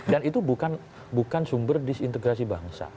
dan itu bukan sumber disintegrasi bangsa